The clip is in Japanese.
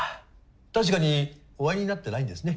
確かにお会いになってないんですね。